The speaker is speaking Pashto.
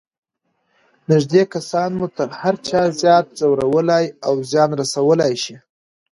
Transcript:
نږدې کسان مو تر هر چا زیات ځورولای او زیان رسولای شي.